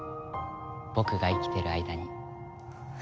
僕が生きてる間に。